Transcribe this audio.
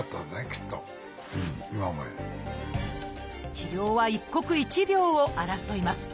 治療は一刻一秒を争います。